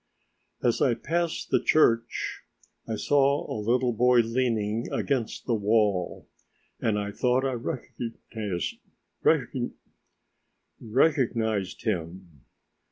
As I passed the church I saw a little boy leaning against the wall, and I thought I recognized him.